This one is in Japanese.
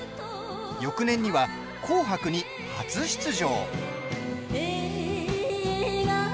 翌年には「紅白」に初出場。